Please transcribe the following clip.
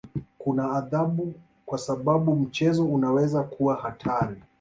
Kuna adhabu kwa sababu mchezo unaweza kuwa hatari.